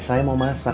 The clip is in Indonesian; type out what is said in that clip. saya mau masak